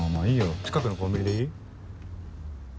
近くのコンビニでいい？